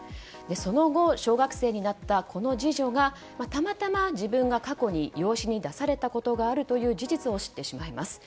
その後、小学生になった次女がたまたま自分が過去に養子に出されたことがあるという事実を知ってしまいます。